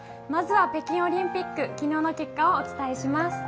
まずは北京オリンピック昨日の結果をお伝えします。